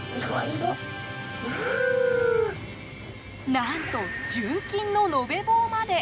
何と、純金の延べ棒まで。